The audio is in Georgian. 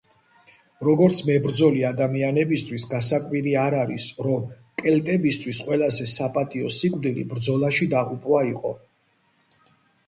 როგორც მებრძოლი ადამიანებისთვის, გასაკვირი არ არის, რომ კელტებისთვის ყველაზე საპატიო სიკვდილი ბრძოლაში დაღუპვა იყო.